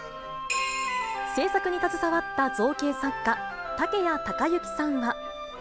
制作に携わった造形作家、竹谷隆之さんは。